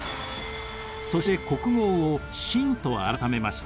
そして国号を清と改めました。